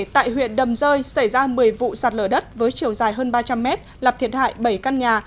tại huyện đầm rơi xảy ra một mươi vụ sạt lở đất với chiều dài hơn ba trăm linh mét làm thiệt hại bảy căn nhà